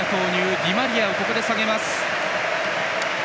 ディマリアを下げます。